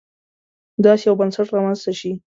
داسې یو بنسټ رامنځته شي.